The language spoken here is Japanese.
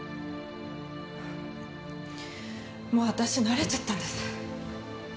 もう私慣れちゃったんです